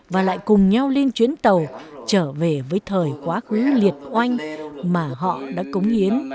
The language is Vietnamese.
và lại cùng nhau lên chuyến tàu trở về với thời quá khứ liệt oanh mà họ đã cống hiến